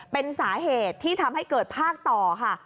เป็นสาเหตุที่ทำให้เกิดภาคต่อค่ะ